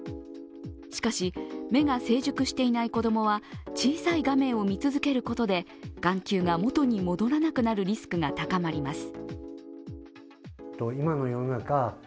しかし目が成熟していない子供は小さい画面を見続けることで眼球が元に戻らなくなるリスクが高まります。